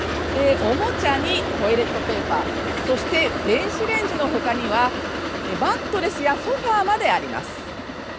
おもちゃにトイレットペーパー、そして電子レンジのほかにはマットレスやソファーまであります。